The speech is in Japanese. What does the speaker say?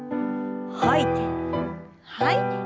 吐いて吐いて。